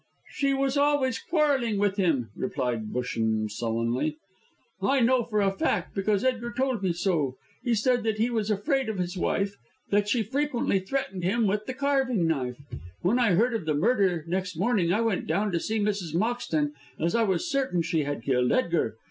"She was always quarrelling with him," replied Busham, sullenly. "I know that for a fact, because Edgar told me so. He said that he was afraid of his wife, that she frequently threatened him with the carving knife. When I heard of the murder next morning I went down to see Mrs. Moxton, as I was certain she had killed Edgar.